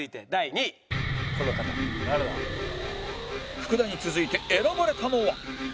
福田に続いて選ばれたのは